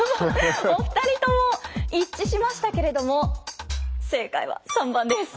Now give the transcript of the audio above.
お二人とも一致しましたけれども正解は３番です。